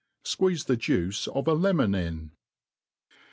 Squeeze the juice of a lemon in.